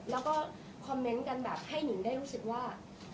แล้วก็คอมเมนต์กันแบบให้นิงได้รู้สึกว่า